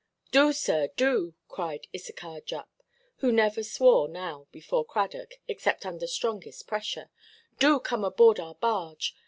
"Do, sir, do," cried Issachar Jupp, who never swore now, before Cradock, except under strongest pressure; "do come aboard our barge.